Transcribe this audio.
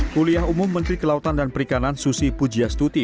kuliah umum menteri kelautan dan perikanan susi pujias tuti